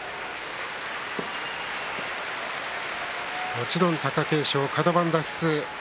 もちろん貴景勝カド番脱出